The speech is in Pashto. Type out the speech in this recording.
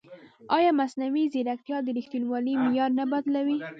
ایا مصنوعي ځیرکتیا د ریښتینولۍ معیار نه بدلوي؟